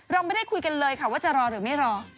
เราไม่ได้คุยกันเลยค่ะว่าจะรอหรือไม่รอ